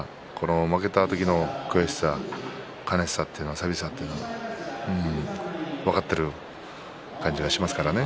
負けた時の悔しさ悲しさというか寂しさは分かっている感じがしますからね。